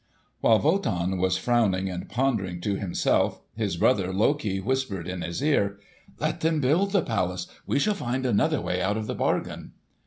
While Wotan was frowning and pondering to himself, his brother Loki whispered in his ear, "Let them build the palace. We shall find another way out of the bargain."